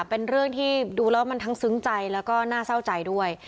เป็นเรื่องที่ดูแล้วมันทั้งซึ้งใจแล้วก็น่าเศร้าใจด้วย